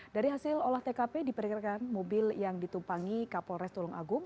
dari hasil olah tkp diperkirakan mobil yang ditumpangi kapolres tulung agung